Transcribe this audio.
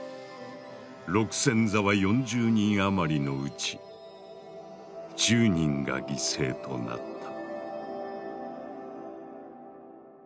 六線沢４０人余りのうち１０人が犠牲となった。